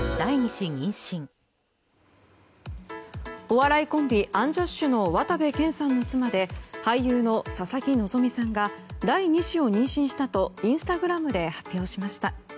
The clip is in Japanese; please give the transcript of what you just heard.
お笑いコンビアンジャッシュの渡部建さんの妻で俳優の佐々木希さんが第２子を妊娠したとインスタグラムで発表しました。